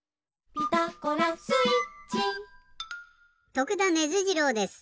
徳田ネズ次郎です。